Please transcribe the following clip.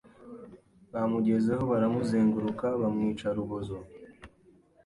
bamugezeho baramuzenguruka bamwica rubozo